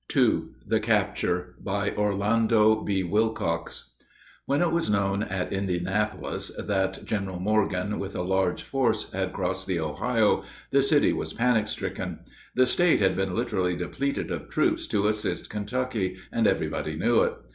II. THE CAPTURE BY ORLANDO B. WILLCOX When it was known at Indianapolis that General Morgan, with a large force, had crossed the Ohio, the city was panic stricken. The State had been literally depleted of troops to assist Kentucky, and everybody knew it.